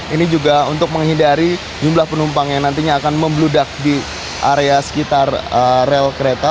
ini juga untuk menghindari jumlah penumpang yang nantinya akan membludak di area sekitar rel kereta